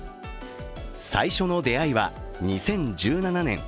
最初の出会いは２０１７年。